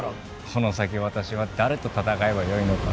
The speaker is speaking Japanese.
この先私は誰と戦えばよいのか。